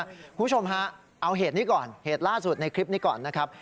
คุณผู้ชมฮะเอาเหตุนี้ก่อนเหตุล่าสุดในคลิปนี้ก่อนนะครับ